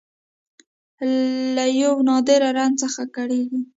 له یو نادر رنځ څخه کړېږي